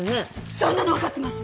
そんなの分かってます